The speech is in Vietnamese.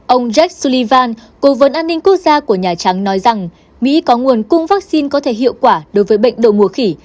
ông jak sullivan cố vấn an ninh quốc gia của nhà trắng nói rằng mỹ có nguồn cung vaccine có thể hiệu quả đối với bệnh đồ mùa khỉ